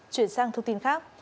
chuyển sang thông tin khác